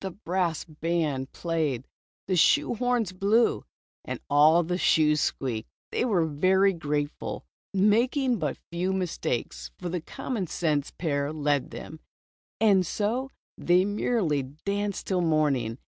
The brass band played, the shoe horns blew, and all the shoes squeaked. They were very graceful, making but few mistakes, for the commonsense pair led them. And so they mer rily danced till morning.